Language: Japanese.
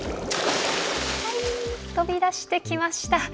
飛び出してきました。